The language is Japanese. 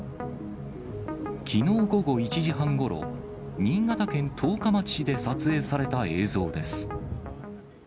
きのう午後１時半ごろ、新潟県十日町市で撮影された映像です。